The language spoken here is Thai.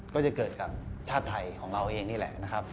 ก็จะเกิดกับชาติไทยของเราเองนี่แหละนะครับ